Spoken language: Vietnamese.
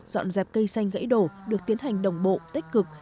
dọn dẹp cây xanh gãy đổ được tiến hành đồng bộ tích cực